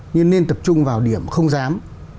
nhưng nên tập trung vào điểm không dám